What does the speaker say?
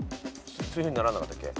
そういうふうに習わなかったっけ？